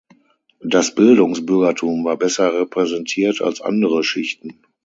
Das Bildungsbürgertum war besser repräsentiert als andere Schichten.